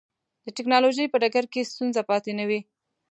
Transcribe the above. د ټکنالوجۍ په ډګر کې ستونزه پاتې نه وي.